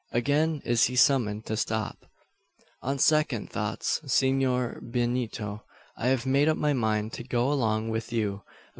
Again is he summoned to stop. "On second thoughts, Senor Benito, I've made up my mind to go along with you.